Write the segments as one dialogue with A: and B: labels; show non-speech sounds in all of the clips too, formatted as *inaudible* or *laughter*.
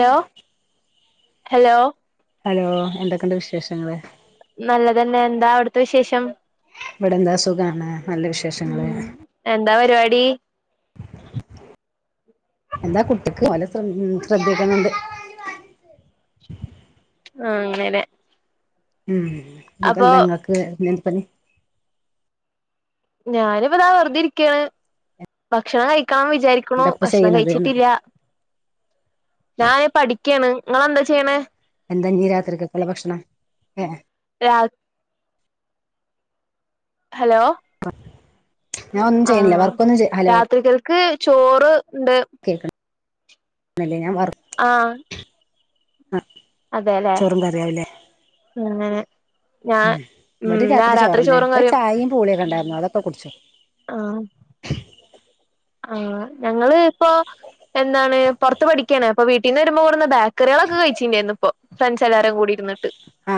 A: Hello hello
B: hello എന്തൊക്കെയുണ്ട് വിശേഷങ്ങള്
A: നല്ലതന്നെ എന്താ അവിടുത്തെ വിശേഷം
B: ഇവിടെന്താ സുഖാണ് നല്ല വിശേഷങ്ങള്
A: ഉം എന്താ പരിപാടി
B: എന്താ കുട്ടിക്ക് ഒലേ ശ്രദ്ധിക്കുന്നുണ്ട്
A: ആ അങ്ങനെല്ലേ
B: ഉം ഇന്നിട്ട്നിങ്ങക്ക് എന്ത് പണി
A: ഞാനിപ്പതാ വെറുതെ ഇരിക്കുകയാണ് ഭക്ഷണം കഴിക്കാ വിചാരിക്ക കണോ
B: എന്താപ്പ
A: ഭക്ഷണം
B: ചെയ്യണത്ന്ന്
A: കഴിച്ചിട്ടില്ല ഞാന് പഠിക്കാണ് നിങ്ങളെന്താ ചെയ്യണ്
B: എന്താ ഇഞ്ഞി രാത്രി ക്കുള ഭക്ഷണം ഏ
A: രാ ഹലോ
B: ഞൻ ഒന്നും ചെയ്യണില്ല
A: ആഹ്
B: വർക്കൊന്നും ഹലോ
A: രാത്രികൾക്ക് ചോറ് ഉണ്ട്
B: കേക്ക അന്നല്ല ഞാൻ വർ *unintelligible*
A: ആ
B: ആ
A: അതെല്ലേ
B: ചോറും കറിയാവുല്ലേ
A: പിന്നെ
B: ഉം ഇവിടെ രാത്രി ചോറിനെ
A: ചോറും
B: ഇപ്പൊ
A: കറിയും
B: ചായയും പൂളിയൊക്കെ ഉണ്ടായിരുന്നു അതൊക്കെ കുടിചു
A: ആഹ ആ ഞങ്ങള് ഇപ്പൊ എന്താണ് പൊറത്ത് പഠിക്കാണ് അപ്പ വീട്ടീന്ന് വയുമ്പോ കൂടു ബേക്കറികളക്കെ കഴിച്ചിുണ്ടായിരുന്നു ഇപ്പ ഫ്രണ്ട് എല്ലാരും കൂടിരുന്നട്ട്
B: ആ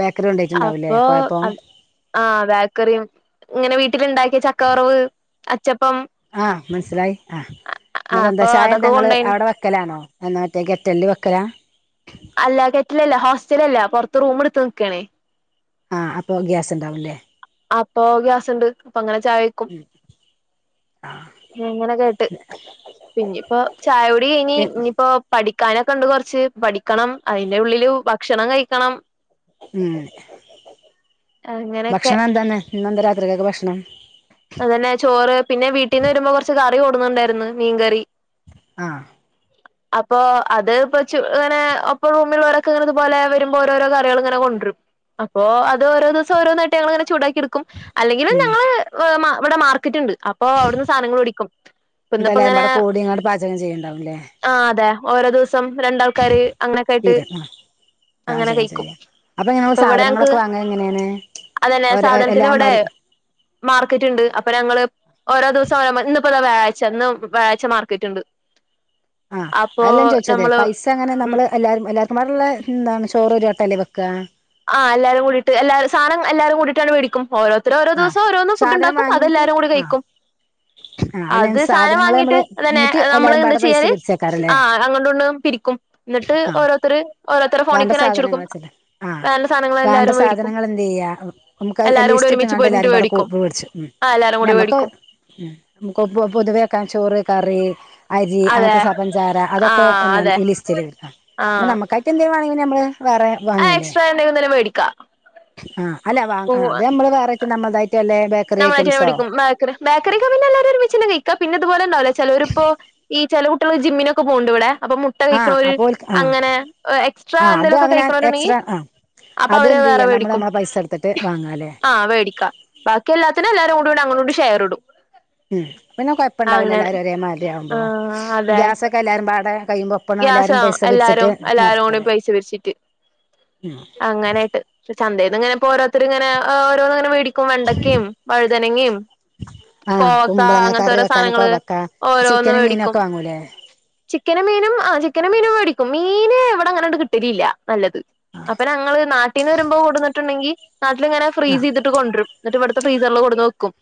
B: ബേക്കറി കെണ്ട
A: അപ്പൊ അ ആഹ് ബാക്കറിയും ഇങ്ങനെ വീട്ടിലുണ്ടാക്കിയ ചക്കവറവ് അച്ചപ്പം
B: ആഹ് മനസ്സിലായി ആ നിക്ക
A: ആഹ്
B: എന്താ
A: അപ്പൊ അതൊക്കെ
B: ചായന്തങ്ങള്ൾ
A: കൊണ്ടോയിന്
B: അവിടെ വെക്കലാണോ എന്നാ മറ്റേ ഗക്കറ്റലി വെക്കലാ
A: അല്ല കെറ്റലല്ല ഹോസ്റ്റല അല്ല പുറത്ത് റൂം എടുത്ത് നിക്ണേ
B: ആ അപ്പോ ഗ്യാസ് ഉണ്ടാവൂല്ലേ
A: അപ്പൊ ഗ്യാസുണ്ട് അപ്പൊ അങ്ങനെ ചായ
B: ആഹ
A: അങ്ങനെകേട്ട് പിന്നയിപ്പോ ചായുടി കഴിഞ്ഞ്
B: ഉം
A: ഇനിയിപ്പോ പഠിക്കാനൊക്കെ ഉണ്ട് കുറച്ച് പഠിക്കണം അതിന്റെ ഉള്ളില് ഭക്ഷണം കഴിക്കണം
B: ഉം
A: അങ്ങനെയൊക്കെ
B: ഭക്ഷണം എന്തന്നെ നിന്നെന്താ രാത്രിക്കൊക്കെ ഭക്ഷണം
A: അതന്നെ ചോറ് പിന്നെ വീട്ടീന്ന് വരുമ്പോ കുറച്ച് കറി കൊടുന്നുണ്ടായിരുന്നു മീൻകറി
B: ആ
A: *inaudible* അപ്പൊ അത് ഇപ്പൊ ഇങ്ങനെ ഒപ്പം റൂമിലുള്ളവരൊക്കെ ഇങ്ങനെ ഇതുപോലെ വരുമ്പം ഓരോരോ കറികള് ഇങ്ങനെ കൊണ്ടുവരും അപ്പൊ അത് ഓരോ ദിവസം ഓരോന്നായിട്ട് ഞ്ഞങ്ങള്ങ്ങനെ ചൂടാക്കി എടു ക്കും അല്ലെങ്കിലും
B: ഉം
A: ഞങ്ങള് ഇവ ഇവടെ മാർക്കറ്റ്ണ്ട് അപ്പൊ അവിടുന്ന് സാധനങ്ങള് വേടിക്കും ഇപ്പൊ
B: എന്നിട്ട് എല്ലാരും
A: ഇന്ന്പ്പങ്ങനെ
B: പാടെ കൂടി ഇങ്ങട് പാചകം ചെയ്യണ്ടാവുംല്ലേ
A: ആഹ് അതെ ഓരോ ദിവസം രണ്ടാൾക്കാര് അങ്ങനെക്കായിട്ട്
B: തീരെ ആഹ് ചെയ്യാം ചെയ്യാം അപ്പം ഞമ്മള്
A: ഇവിടെ ഞങ്ങക്ക്
B: സാധനങ്ങളൊക്കെ വാങ്ങല് എങ്ങനെയാണ്? ഓരോ എല്ലാം മ
A: മാർക്കറ്റ്ണ്ട് അപ്പൊ ഞങ്ങള് ഓരോ ദിവസം ഓരോ ഇന്ന്പ്പെതാ വ്യാഴായ്ച്ച ഇന്ന് വ്യാഴച്ച മാർക്കറ്റ്ണ്ട് അപ്പൊ നമ്മള്
B: പക്ഷേ എങ്ങനെ
A: ഉം
B: നമ്മള് എല്ലാരും എല്ലാർക്കും പാടെള്ള എന്താണ് ചോറ് ഒരുവട്ടല്ലേ വെക്ക?
A: ആഹ് എല്ലാരും കൂട്ടീട്ട് എല്ലാരു സാധനം എല്ലാരും കൂടിട്ടാണ്ട് മേടിക്കും ഓരോ ര്ത്തര് ഓരോ
B: ആഹ്
A: ദിവസം ഓരോന്ന്
B: സാധനം
A: ഫു്ഡ്ണ്ടാക്കും
B: വാങ്ങീട്ട്
A: അതെല്ലാരും കൂടി
B: ആഹ്
A: കഴിക്കും
B: ആഹ് അല്ല
A: അത് സാധനം
B: സാധനങ്ങള്
A: വാങ്ങിയിട്ട്
B: നമ്മള്
A: അതന്നെ
B: എന്നിട്ട്
A: നമ്മള്
B: എല്ലാരും
A: എന്താ
B: പാടെ പൈസ
A: ചെയ്യല്
B: പിരിച്ചേക്കാരല്ലേ
A: ആഹ് അങ്ങോട്ടും ഇങ്ങട്ടെക്കെ പിരിക്കും ഇന്നെട്ട്
B: ആഹ്
A: ഓരോത്തര് ഓരോത്തരെ
B: വേണ്ട
A: ഫോണിക്കാണ്ട് അയച്ചൊടുക്കും
B: സാധനങ്ങൾ വെച്ചിട്ട് ആ
A: വേണ്ട സാധനങ്ങള്
B: വേണ്ട
A: എല്ലാരും വേടിക്കും
B: സാധനങ്ങൾ എന്ത് ചെയ്യാ നമുക്ക്
A: എല്ലാരും കൂടെ
B: ലിസ്റ്റ്
A: ഒരുമിച്ച്
B: ഇട്ട്ങ്ങാണ്ട്
A: പോയിട്ട്
B: എല്ലാരും പാടെ
A: വേടിക്കും
B: മേടിച്ചു ഉം
A: ആഹ് എല്ലാരും
B: പിന്നെ
A: കൂടി
B: നമ്മക്ക്
A: വേടിക്കും
B: ഉം നമുക്ക് പൊതുവെ വെക്കാൻ ചോറ് കറി അരി,
A: അതെ
B: അങ്ങനത്തെ സാധ പഞ്ചാര അതൊക്കെ
A: ആഹ്
B: എന്താണ്
A: അതെ
B: ഈ ലിസ്റ്റില്ട്ക്ക പിന്നെ
A: ആഹ്
B: നമ്മക്കായിട്ട് എന്തേലും വാങ്ങണങ്കി നമ്മള് വേറെ വാങ്ങാലേ?
A: *unintelligible* വേടിക്ക,
B: ആഹ് അല്ല വ അത് നമ്മള് വേറായിട്ട് നമ്മൾതായിട്ട് എല്ലേ ബേ
A: നമ്മളായിട്ടന്നെ വേടിക്കും ബേക്കറി ബേക്കറിയൊക്ക പിന്നെ എല്ലാരും ഒരുമിച്ചന്നെ കഴിക്ക പിന്നെ പോലെ ഇണ്ടാവൂല്ലേ? ചെലോരിപ്പോ ഈ ചെല കുട്ടികള് ജിമ്മിനൊക്കെ പോണ് ണ്ട് ഇവടെ അപ്പൊ മു മുട്ട
B: ആ
A: കഴിക്ക്ണോല്
B: അപ്പോൾ ആ
A: അങ്ങനെ എക്സ്ട്രാ
B: ആ അത്
A: എന്തേലൊക്കെ
B: അവന
A: കഴിക്ക്ണോര് ഇണ്ടെങ്കീ
B: എക്സ്ട്രാ ആ
A: അപ്പൊ അവര് അത്
B: എന്ത്
A: വേറെ
B: ചെയ്യാ നമ്മള്
A: വേടിക്കും
B: നമ്മളെ പൈസ എടുത്തിട്ട് വാങ്ങാല്ലേ
A: ആഹ് വേടിക്കും, ബാക്കിയെല്ലത്തിനും എല്ലാരും. കൂടി അങ്ങോട്ടിങ്ങോട്ടും ഷെയറിടും,
B: ഉം അപ്പൊ പിന്നെ കൊഴപ്പം ഇണ്ടാവൂല്ല എല്ലാരും ഒരേ മാതിരിയാവുമ്പം
A: ആഹ്
B: ഗ്യാസൊക്കെ എല്ലാരുംപാടെ കഴിയുമ്പോ ഒപ്പണ്
A: ഗ്യാസോ
B: എല്ലാരും
A: ആ
B: പൈസ പിരിച്ചിട്ട്
A: എല്ലാരും എല്ലാരും കൂടി
B: നടത്തല്
A: പൈസ പിരിച്ചിട്ട്,
B: ഉം
A: അങ്ങനായിട്ട് പക്ഷേ ചന്തേന്ന്ങ്ങെനെ ഇപ്പോ ഓരോത്തര് ഇങ്ങനെ. ഓരോന്ന്ങ്ങനെ മേടിക്കു- ക്കും വെണ്ടക്കിം, വഴുതനങ്ങിം
B: ആഹ്
A: കോവക്ക,
B: കുമ്പളങ്ങ
A: അങ്ങനത്തെ
B: കറി
A: ഓരോ
B: വെക്കാനൊക്കെ
A: സാധനങ്ങള്
B: വെക്കാ
A: ഓരോന്ന്
B: ചിക്കനും
A: മേടിക്കും,
B: മീനൊക്കെ വാങ്ങൂലേ
A: ചിക്കനും മീനും ആഹ് ചിക്കനും മീനും മേടിക്കും മീന് എവിടെ അങ്ങനാട്ട് കിട്ടലില്ല, നല്ലത് അപ്പൊ ഞങ്ങള് നാട്ടീന്ന് വരുമ്പോ കൊട്ന്നിട്ട്ണ്ടെങ്കി നാട്ടില്ങ്ങനെ ഫ്രീസ്
B: ആഹ്
A: ചെയ്തിട്ട ട്ട് കൊണ്ടരും എന്നിട്ട് ഇവട്ത്തെ ഫ്രീസറില് കൊടുന്ന്‌ വെക്കും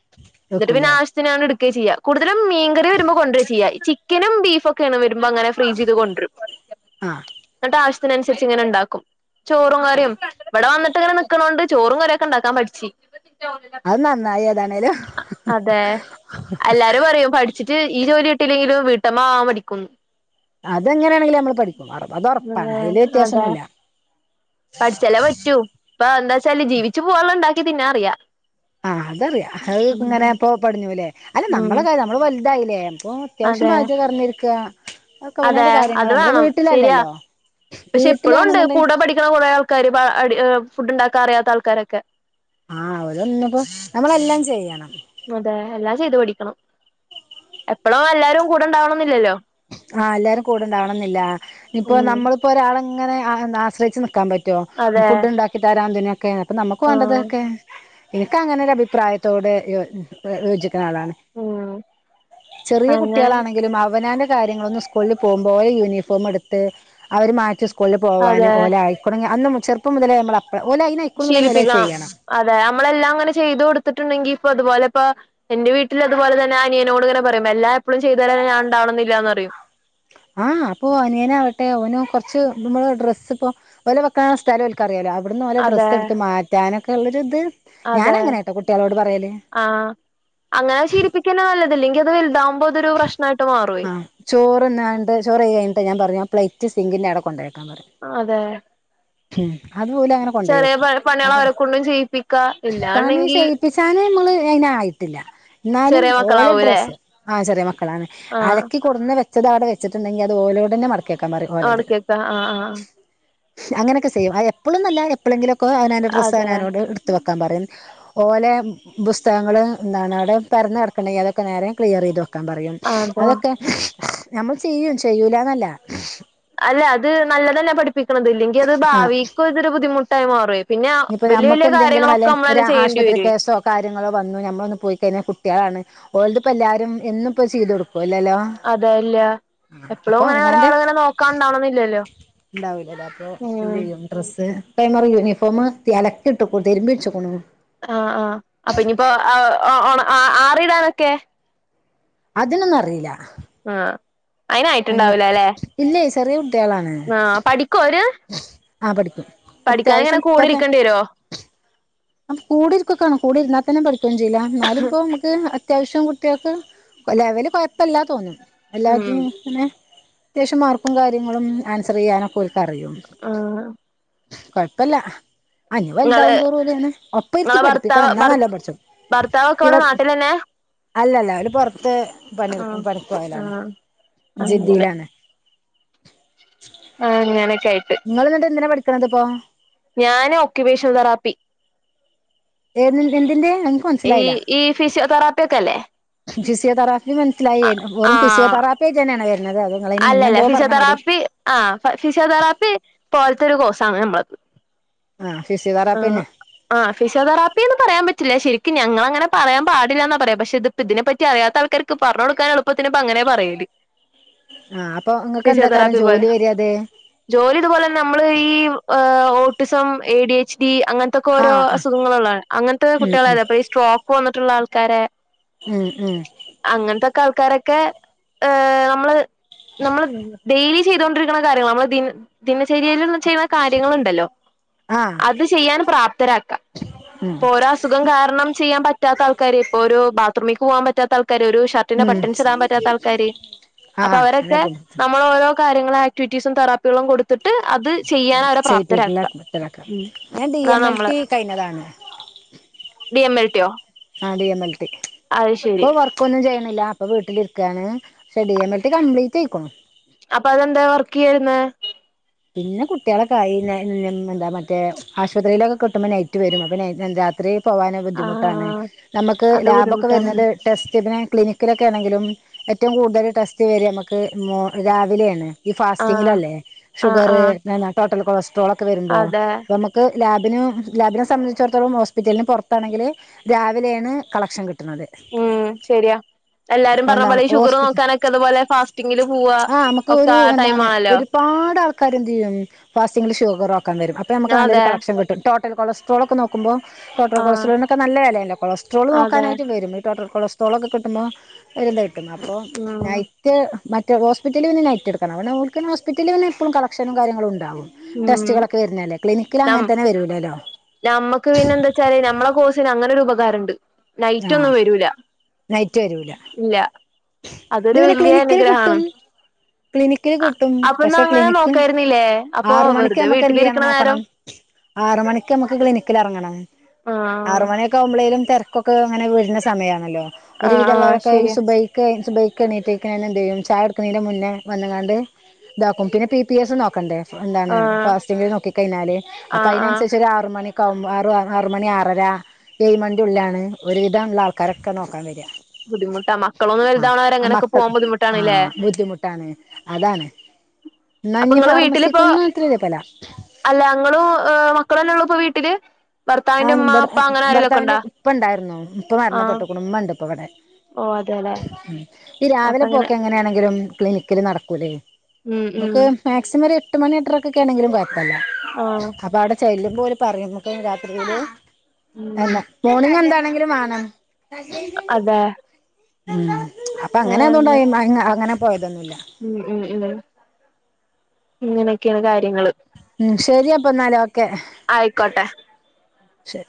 A: എന്നിട്ട് പിന്നെ
B: വെക്കൂല്ലേ
A: ആവിശ്യ ത്തിനാണ്ട് എടുക്ക ചെയ്യ കൂടുതലും മീൻകറി വരുമ്പോ കൊണ്ടുവര ചെയ്യ ചിക്കനും, ബീഫൊക്കെ, യാണ് വരുമ്പോ അങ്ങനെ ഫ്രീസ് ചെയ്ത് കൊണ്ട് വരും
B: ആഹ്
A: എന്നിട്ട് ആവശ്യത്തിനനുസരിച്ച് ഇങ്ങനെ ഇണ്ടാക്കും, ചോറും, കറിയും ഇവിടെ വന്നിട്ട്ങ്ങനെ നിക്ക്ണോണ്ട് ചോറും കാറിയൊക്കെ ഇണ്ടാക്കാൻ പഠിച്ച്
B: അത് നന്നായി ഏതാണേലും
A: അതെ, എല്ലാരും പറയും പഠിച്ചിട്ട് ഈ ജോലി കിട്ടിയില്ലെങ്കിലും വീട്ടമ്മ ആവാൻ പഠിക്കുന്ന്,
B: അത് എങ്ങനെയാണെങ്കിലും നമ്മള് പഠിക്കും അത് ഒറപ്പാണ് അയില് വ്യത്യാസൊന്നുല്ല,
A: പഠിച്ചല്ലെ പറ്റൂ ഇപ്പ എന്താച്ചാല് ജീവിച്ചു പോകാള്ളെ ഇണ്ടാക്കി തിന്നാ അറിയാം,
B: ആഹ് അതറിയാം അത് ഇങ്ങനെ ഇപ്പൊ പടിഞ്ഞുല്ലേ? അല്ല നമ്മള കാര്യം നമ്മള് വലുതായില്ലേ അപ്പൊ അത്യാവിശ്യം
A: അതെ
B: പാചകറിഞ്ഞിരിക്ക,
A: അതെ അത് വേണം ശരിയാ പക്ഷെ ഇപ്പളുംണ്ട്
B: വീട്ടിലാണെന്നുണ്ടെങ്കി
A: കൂടെ പഠിക്ക ക്ക്ണ കൊറേ ആൾക്കാര് ഫുഡ് ഇണ്ടാക്കാൻ അറിയാത്ത ആൾക്കാരൊക്കെ,
B: ആഹ് ഓലന്ന്പ്പോ നമ്മളെല്ലാം ചെയ്യണം.
A: അതെ എല്ലാം ചെയ്തു പഠിക്കണം എപ്പളും എല്ലാരും കൂടെണ്ടാവണംന്നില്ലല്ലോ.
B: ആഹ് എല്ലാരും കൂടെണ്ടാവണംന്നില്ല ഇപ്പോ
A: ഉം
B: ന്നമ്മള്പ്പോ ഒരാളങ്ങനെ ആഹ് ന്താ ആശ്രയിച്ച് ന്ന്ക്കാം പ റ്റോ
A: അതെ
B: ഫുഡ് ണ്ടാക്കി തരാന്തിനൊക്കെ അപ്പൊ ന്നമ്മക്ക്
A: ആഹ്
B: വാണ്ടതൊക്കെ ഇനിക്ക് അങ്ങനെ ഒരഅഭിപ്രായത്തോടെ യോ യോജിക്ക്ണ ആളാണ്.
A: ഉം
B: ചെറിയേ
A: അങ്ങനെ
B: കുട്ട്യാളാണെങ്കിലും അവനാന്റെ കാര്യങ്ങളൊന്നും സ്കൂൾല് പോവുംമ്പോ ഓലെ യൂണിഫോമട്ത്ത് അവര് മാറ്റി സ്കൂൾല് പോവാന്
A: അതെ
B: ഓലെ ആയ് തൊടങ്ങി അന്ന് മു ചെർപ്പ മുതലെ മ്മള അപ്പ ഓലയ്നയ്ക്ക്ണുന്നുണ്ടെങ്കി ഓലത് ‌
A: ശീലിപ്പിക്കണം
B: ചെയ്യണം.
A: അതെ അമ്മളെല്ലാം അങ്ങനെ ചെയ്ത് കൊടുത്ത്ട്ട്ണ്ടെങ്കി ഇപ്പൊ ഇത്പോലെ പ്പൊ എന്റെ വീട്ടില് അത്പോലെ തന്നെ അനിയനോട്ങ്ങനെ പറയും എല്ലാ എപ്പളും ചെയ്തരാ ഞാണ്ടാവണന്നില്ലാന്ന്റയും.
B: ആഹ് അപ്പൊ അനിയനാവട്ടെ ഓനും കൊർച്ച് ന്നമ്മള് ഡ്രസ്സ്പ്പോ ഓലെ വെക്കാ സ്ഥലോൽ ക്കറിയാലോ അവ്ട്ന്ന് ഓലെ
A: അതെ
B: ഡ്രസ്സ് എടുത്ത് മാറ്റാനൊക്കള്ളൊരുത് ഞാന
A: അതെ
B: അങ്ങനേട്ടോ കുട്ട്യാളോട് പറയല്.
A: ആഹ് അങ്ങനെ ശീലിപ്പിക്കന്നേ നല്ലത് ഇല്ലെങ്കി അത് വൽതാവുമ്പോ അതൊരു പ്രശ് നായിട്ട് മാറും.
B: ചോറ്ന്ന്ങ്ങാണ്ട് ചോറ് വെയി കയ്ഞ്ട്ട് ഞാം പർഞ്ഞു ആ പ്ലേറ്റ് സിംഗിന്റെ അവടേ കൊണ്ടോയെക്കാം പറയാ.
A: അതെ.
B: ഉം അത് ഓലങ്ങനെ കൊണ്ടോയ്
A: ചെറിയ പ
B: വെക്കും
A: പണികൾ
B: അപ്പൊ
A: അവരെ കൊണ്ടും ചെയ്യിപ്പിക്കാ
B: പണി
A: ഇല്ലാണ്ടെങ്കി
B: സേയ് യിച്ചാന് ഞമ്മള് അയ്നായ്ട്ടില്ല. ന്നാലും
A: ചെറിയ
B: ഓലെ
A: മക്കളാവൂലേ
B: ഡ്രസ്സ് ആഹ് ചെറിയ മക്കളാണ്
A: ആഹ്
B: അലക്കി കൊട്ന്ന് വെച്ചതവടെ വെച്ച്ട്ട്ണ്ടെങ്കി അത് ഓലോടന്നെ മടക്കിക്കാം പറയും ഓലത്.
A: ആഹ് ആഹ് ആഹ്.
B: അങ്ങനക്കസേയ്യും അത് എപ്പോളുംന്നല്ല എപ്പളെങ്കിലൊക്കെ അവനാന്റെ ഡ്രസ്സ്
A: അതെ
B: അവനാനോട് ഇട്ത്ത് വെക്കാം പറയും. ഓലെ പുസ്തകങ്ങള് ന്താണ് അവടെ പരന്നടക്ക്ണ്ടേൻങ്കി അതൊക്ക നേരെ ക്ലിയറീത് വെ ക്കാം പറയും,
A: അതെ
B: അതൊക്കെ നമ്മള് ചിയ്യും ചെയ്യൂലാന്നല്ല
A: അല്ല അത് നല്ലതന്നെ പഠിപ്പിക്ക്ണത് ഇല്ലെങ്കി അത്
B: ആ
A: ഭാവീക്കും ഇതൊരു ബുദ്ധിമുട്ടായ് മാറുയ്. പിന്നെ
B: ഇനിയിപ്പോൾ
A: വെല്ല്യ
B: നമുക്ക്
A: വെല്ല്യ
B: എന്തെങ്കിലും വല്ല ഒരു
A: കാര്യങ്ങളൊക്കമ്മളന്നെ ചെയ്യേണ്ടി
B: ആശുപത്രി
A: വരുയ്.
B: കേസോ കാര്യങ്ങളോ വന്നു ഞമ്മളൊന്ന് പോയ്കയ്ഞ്ഞാ കുട്ട്യാളാണ് ഓൽത്പ്പൊ എല്ലാരും എന്നുപ്പോ ച്ചീതൊട്ക്കോ ഇല്ലല്ലോ?
A: അതേ ഇല്ല്യാ. എപ്പളും ങ്ങനെ ഒരാള്ങ്ങനെ നോക്കാണ്ടാവണന്നില്ലല്ലോ
B: ഉണ്ടാവില്ലല്ലോ അപ്പോൾ എന്ത്
A: ഉം.
B: ചെയ്യും ഡ്രസ്സ് *unintelligible* യൂണിഫോമ് തി അലക്കിട്ട്ക്കുണ് തിരുമ്പിച്ച്ക്ക്ണു.
A: ആഹ് ആഹ് അപ്പൊ ഇഞിപ്പോ *unintelligible* ഒണ ആ ആറിടാനൊക്കെ?
B: അതിനൊന്നും അറീലാ.
A: ആഹ് അയ്നായിട്ട്ണ്ടാവുലലേ
B: ഇല്ലേ
A: ആഹ് പഠിക്കോ അവര്?
B: ആഹ് പഠിക്കും
A: കൂടെ
B: അത്യാവശ്യംപ്പക്കേ
A: ഇരിക്കേണ്ടി വരുവോ
B: കൂടി ഇരിക്കക്കാണം കൂടേ ഇര്ന്നാ തന്നേ പഠിക്കോന്നും ചെയ്യൂലാ ന്നാലുംപ്പൊ മ്മ ക്ക് അത്യാവശ്യം കുട്ട്യാക്ക് ലെവല് കൊയപ്പല്ലാ തോന്നും.
A: ഉം
B: എല്ലാത്തിനും ഇങ്ങനെ അത്യാവശ്യം മാർക്കും കാര്യങ്ങളും ആൻസറിയ്യാനൊക്ക ഓൽ കറിയും,
A: ആഹ്
B: കൊഴ്പ്പല്ല ആ ഞി
A: ഇങ്ങള്
B: വൽതാവും തോറും ഓല്ങ്ങനെ ഒപ്പര്ത്തി
A: ഇങ്ങളെ ഭർത്താവ്
B: പഠിപ്പിക്കണം ന്നാ
A: ഭർ
B: ന്നല്ലംപഠ്ച്ചും
A: ഭർത്താവൊക്കെ ഇവിടെ
B: ഇവട്
A: നാട്ടിൽ തന്നെ
B: അല്ലല്ല ഓല് പോറത്ത്
A: ആഹ്
B: പണിട്ക്കും പണിക്കോയതാണ്
A: ആഹ് അങ്ങനെ
B: ജിദ്ദീലാണ്.
A: ആഹ് അങ്ങനേക്കായ്ട്ട്.
B: ങ്ങള്ന്ന്ട്ട് എന്തിനാ പഠിക്കണത്പ്പോ?
A: ഞാന് ഒക്യുപേഷൻതെറാപ്പി.
B: ഏതിൻ എന്തിന്റെ?
A: ഈ
B: മൻസിലായിലാ
A: ഈ ഫിസിയോതെറാപ്പി ഒക്കെ അല്ലേ
B: ഫിസിയതെറാപ്പി മൻസ്സിലായി വെറും
A: ആഹ്
B: ഫിസിയതെറാ പ്പേഇജ്ജ്‌‌ന്നേണോ വര്ണത്? അതോ
A: അല്ലല്ല ഫിസിയോതെറാപ്പി ആ ഫിസിയോതെറാപ്പി പോലത്തെ ഒരു കോഴ്സആണ് നമ്മളത്
B: ആഹ് ഫിസിയോതരാപ്പി
A: ആഹ്
B: തന്നെ
A: ആഹ് ഫിസിയൊതെറാപ്പിന്ന് പറയാൻ പറ്റില്ല ശരിക്കും ഞങ്ങൾങ്ങനെ പറയാൻ പാടില്ലാന്നാ പറയാ പക്ഷെ ഇത് ഇതിനെപ്പറ്റി അറിയാത്ത ആൾക്കർക്ക് പറഞ് കൊട്ക്കാൻ എളുത്തിപ്പ അങ്ങനെ പറയല്
B: ആഹ് അപ്പൊ ങ്ങക്ക് എന്താകരം
A: ഫിസിയോതെറാപ്പി പോലെ
B: ജോലി വര്ത്
A: ജോലി ഇതുപോലെന്നെ നമ്മള് ഈ autism, A D H D അങ്ങൻ ത്തൊക്കെ ഒരോ
B: ആഹ് ആഹ്
A: അസുഖങ്ങള് ള്ളാണ് അങ്ങനത്തെ
B: ഉം
A: കുട്ട്യാളാണ് അപ്പൊ ഈ സ്ട്രോക്ക് വന്നിട്ടുള്ളാൾക്കാരെ
B: ഉം ഉം
A: അങ്ങനത്തോക്കെ ആൾക്കാരൊക്കെ ഹ് നമ്മള് നമ്മൾ ഡെയിലി ചെയ്തൊണ്ടിരിക്കുന്ന കാര്യങ്ങൾ നമ്മൾ ദിന ദിനചര്യൽല് ചെയ്യുന്ന കാര്യങ്ങളുണ്ടല്ലോ
B: ആഹ്
A: അത് ചെയ്യാൻ പ്രാപ്തരാക്കാ
B: ഉം
A: പോരാ അസുഖം കാരണം ചെയ്യാൻ പറ്റാത്ത ആൾക്കാര് ഇപ്പോ ഒരു ബാത്റൂമിൽക്ക്‌ പാകാൻ പറ്റാത്തആൾക്കാര് ഒരു ഷ ർട്ട്
B: ഉം
A: ബട്ടൻസ്ഇടാൻ പറ്റാത്ത ആൾക്കാര് അപ്പൊ
B: ആഹ് അങ്ങനെ
A: അവരൊക്കെ നമ്മളോരോ കാര്യങ്ങള് ആക്ടിവിറ്റീസും തറ പ്പികളും കൊടുത്തിട്ട് അത് ചെയ്യാൻ അവരെ
B: ചെയ്യിപ്പിക്കില്ല
A: പ്രാപ്തരാക്കാ ഉം അതാനമ്മള്
B: കയ്ഞ്ഞതാണ്
A: ഡി എം എൽ ടി ഓ
B: ആഹ് ഡി എം എൽ ടി ഇപ്പ വർ ക്കോന്നും ചെയണില്ല ഇപ്പൊ വീട്ടിലിരിക്കാണ് ശേ T M L T complete ആയ്ക്കുണു
A: അപ്പൊ അതെന്താ വർക്ക്യ്യാതിരുന്നേ
B: പിന്നെ കുട്ട്യാളൊക്കൊഅയീലെ മ് മ് എന്താ മറ്റേ ആശുപത്രിയിലൊക്കെ കിട്ടുമ്പോ നൈറ്റ് വരും അപ്പൊ രാത്രി പോവാന്
A: ആ
B: ബുദ്ധിമുട്ടാണ് നമുക്ക്
A: അത്
B: ലാബൊക്കെ
A: ബുദ്ധിമുട്ടാണ്
B: വരുന്നത് ടെസ്റ്റ് തിന് ക്ലിനിക്കിലൊക്കെണെങ്കിലും ഏറ്റവും കൂടുതൽ ടെസ്റ്റ് വര നമുക്ക് രാവിലെയാണ് ഈ
A: ആ
B: ഫാസ്റ്റിങ്ങിലല്ലേ
A: ആ
B: ഷുഗർ
A: ആ
B: പിന്ന ടോട്ടൽ കൊളസ്ട്രോളോക്കെ വരുമ്പോ
A: അതെ
B: നമുക്ക് ക്ക് ലാബിന് ലാബിനെ സംബന്ധിച്ചടത്തോളം ഹോസ്പിറ്റലിന് പുറത്താണെങ്കില് രാവിലേണ് കളക്ഷൻ കിട്ട്ണത്
A: ഉം ശെരിയാ എല്ലാരും പറഞ്ഞ
B: എന്താണ്
A: പോലെ ഈ ഷുഗർ
B: ഹോസ്പിറ്റൽ
A: നോക്കാനൊക്കെ അതുപോലെ ഫാസ്റ്റിങ്ങില് പോവ
B: ആ
A: ഒക്കെ ആ ടൈം ആണല്ലോ
B: കരുതിയും ഫാസ്റ്റിങ്ങിൽ ഷുഗർ നോക്കാൻ വരും അപ്പോ നമുക്ക് നല്ലൊരു
A: അതെ
B: കളക്ഷൻ കിട്ടും ടോട്ടൽ കൊളസ് സ്ട്രോൾ ഒക്കെ നോക്കുമ്പോ ടോട്ടൽ
A: ആ
B: കൊള്ട്രോളിനൊക്കെ നല്ല വിലയല്ലേ കൊളസ്ട്രൾ
A: അതെ
B: നോക്കാനായിട്ട് വരും സ്ട്രോൾ ഒക്കെ കിട്ടുമ്പോ അയിൽ അല്ലെ കിട്ടും അപ്പോൾ
A: ഉം
B: നൈ റ്റ് മറ്റേ ഹോസ്പിറ്റിൽ പിന്നെ നൈറ്റ്‌ എടുക്കണം അവിടെ ഓൽക്ക് പിന്നെ ഹോസ്പറ്റലിൽ പിന്നെപ്പോഴും കളക്ഷനും കാര്യങ്ങളും ഉണ്ടാവും
A: ഉം
B: ടെസ്റ്റുകളൊക്കെ വരുന്നല്ലേ ക്ലിനിക്കിൽ അങ്ങനെ തന്നെ വരൂല്ലല്ലോ
A: നമ്മുക്ക് പിന്നെ എന്താ വെച്ചാല് നമ്മളെ കോഴസിന് അങ്ങനെ ഒരു ഉപകാരം ഉണ്ട്
B: ആ
A: നൈറ്റ് ഒന്നും വരൂല
B: നൈറ്റ് വരൂല
A: ഇല്ല
B: ഇത്
A: അതൊരു
B: പിന്നെ
A: വല്യ
B: ക്ലിനിക്കില്
A: അനുഗ്രഹാണ്
B: കിട്ടും ക്ലിനിക്കില് കിട്ടും
A: അപ്പൊ ന്നാ
B: പക്ഷെ
A: അങ്ങനെ
B: ക്ലിനിക്ക്
A: നോക്കായിരുന്നില്ലേ അപ്പൊ
B: ആറ് മണിക്ക്
A: വെറുതെ
B: നമ്മുക്ക് എന്ത് ചെയ്യണം
A: വീട്ടിലിരിക്കണ
B: നോക്കണം
A: നേരം
B: ആറ് മണിക്ക് നമുക്ക് ക്ലിനിക്കിൽ ഇറങ്ങണം
A: ആ
B: ആറ് മണി ക്കാവുമ്പളെല്ലും തിരക്കൊക്കെ അങ്ങനെ വരുന്ന സമയാണല്ലോ
A: ആഹ്
B: ഒരുവിധം
A: ആഹ്
B: ഉള്ളവരൊക്കെ ഈ
A: ശരിയാ
B: സുബൈക്ക് സുബൈ ക്ക് എണീപ്പിക്കനെ എന്ത്യ്യും ചായകൊടുക്നെന് മുന്നേ വന്ന്ങ്ങാണ്ട് ഇത്രക്കും പിന്നെ പി പി എസ് നോക്കണ്ടേ എന്താണ്
A: ആഹ്
B: ഫാസ്റ്റിങ്ങ്ന് നോക്കി കഴിഞ്ഞാല് അപ്പൊ
A: ആഹ് ആഹ്
B: അതിനനുസരിച്ച് ഒരു ആറു മണി ക്കാവുമ്പോ ആറ് ആറ് മണി ആറര ഏഴ് മണിന്റെ ഉള്ളിലാണ് ഒരുവിധള്ള ആൾക്കാരൊക്കെ നോക്കാൻ വരിക.
A: ബുദ്ധിമുട്ടാ മക്കളൊന്നു വലുതാവ്ണെ വരെ
B: ആ മക്കൾ ആഹ് ബുദ്ധിമുട്ടാണ് അതാണ്
A: അപ്പൊ
B: എന്നാഞ്ഞ്
A: ഇങ്ങള് വീട്ടിലിപ്പോ
B: ഫാർമസിക്കൊന്നും ഇത്ര' ' *unintelligible*
A: അല്ല ഇങ്ങളും മക്കളും തന്നെ ഒള്ളൂ ഇപ്പൊ വീട്ടില്
B: ആഹ
A: ഭർത്താവിന്റെ ഉമ്മ ഉപ്പ
B: ഇബട്ന്ന്
A: അങ്ങനെ ആരെലൊക്കെ
B: ഭർത്താവിന്റെ
A: ഉണ്ടോ
B: ഉപ്പ ഉണ്ടായിരുന്നു ഉപ്പ
A: ആഹ്
B: മരണപ്പെട്ട്ക്ക്ണു ഉമ്മ ഇണ്ട് ഇപ്പ ഇവിടെ
A: ഓ അതെലെ
B: ഉ ഈ രാവിലെ പോക്കെ എങ്ങനെയാണെങ്കിലും ക്ലിനിക് ക്കിൽ നടക്കൂല്ലേ
A: ഉം ഉം
B: നമുക്ക് മാക്സിമം ഒരു എട്ട് മണി എട്ടരക്കൊക്കെ ആണെങ്കിലും കൊഴ ല്ല
A: ആഹ്
B: അപ്പൊ അവിടെ ചെല്ലുമ്പോ ഓല് പറഞ്ഞിരുന്നു ഇമ്മക്ക് രാത്രിയില്
A: ഉം
B: അല്ല മോർണിംഗ് എന്താണെങ്കിലും വാണം
A: അതെ
B: ഉം അപ്പൊ അങ്ങനെ ആയതോണ്ട്
A: ഏഹ്
B: അങ്ങനെ പോയത് അറിഞ്ഞില്ല
A: ഉം ഉം ഉ ഇങ്ങനെയൊക്കെയാണ് കാര്യങ്ങള്
B: ഉം ശെരിയപ്പൊ എന്നാലേ ഓക്കെ
A: ആയിക്കോട്ടെ
B: ശരി